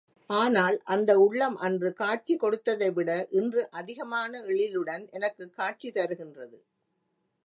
ஆனால் அந்த உள்ளம் அன்று காட்சி கொடுத்ததைவிட இன்று அதிகமான எழிலுடன் எனக்குக் காட்சி தருகின்றது.